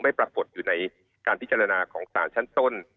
ปรากฏอยู่ในการพิจารณาของสารชั้นต้น